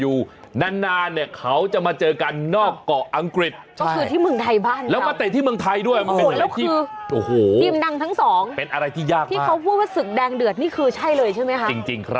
อยู่นานเนี่ยเขาจะมาเจอกันนอกเกาะอังกฤษก็คือที่เมืองไทยบ้านแล้วมาเตะที่เมืองไทยด้วยแล้วคือโอ้โหดีมดังทั้งสองเป็นอะไรที่ยากที่เขาพูดว่าสึกแดงเดือดนี่คือใช่เลยใช่